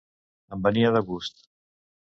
Em venia de gust.